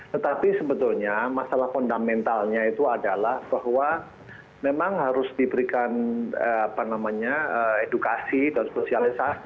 tetapi sebetulnya masalah fundamentalnya itu adalah bahwa memang harus diberikan edukasi dan sosialisasi